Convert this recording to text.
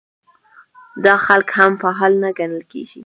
دا خلک هم فعال نه ګڼل کېږي.